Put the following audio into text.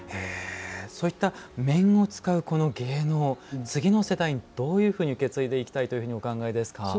そういった、面を使う芸能次の世代にどういうふうに受け継いでいきたいというふうにお考えですか？